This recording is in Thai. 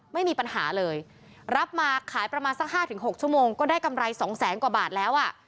ไม่มีปัญหาเลยรับมาขายประมาณสัก๕๖ชั่วโมงก็ได้กำไรสองแสนกว่าบาทแล้วอ่ะ